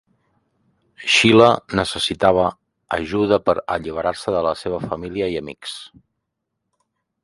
Schiller necessitava ajuda per alliberar-se de la seva família i amics.